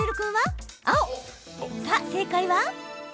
正解は。